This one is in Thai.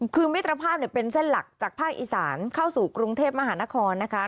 คือมิตรภาพเป็นเส้นหลักจากภาคอีสานเข้าสู่กรุงเทพมหานครนะคะ